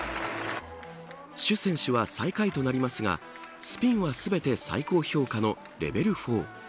シュ選手は最下位となりますがスピンはすべて最高評価のレベル４。